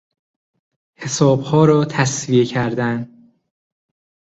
حسابها را تسویه کردن